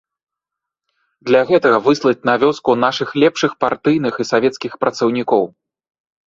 Для гэтага выслаць на вёску нашых лепшых партыйных і савецкіх працаўнікоў.